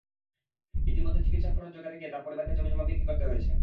ইতিমধ্যে চিকিৎসার খরচ জোগাতে গিয়ে তাঁর পরিবারকে জমিজমা বিক্রি করতে হয়েছে।